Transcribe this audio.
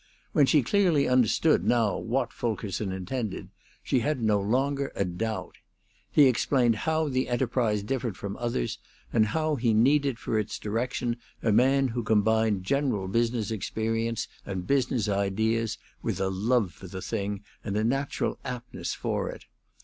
When she clearly understood, now, what Fulkerson intended, she had no longer a doubt. He explained how the enterprise differed from others, and how he needed for its direction a man who combined general business experience and business ideas with a love for the thing and a natural aptness for it.